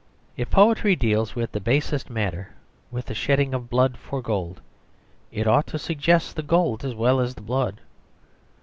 If poetry deals with the basest matter, with the shedding of blood for gold, it ought to suggest the gold as well as the blood.